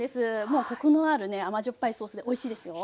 もうコクのあるね甘じょっぱいソースでおいしいですよ。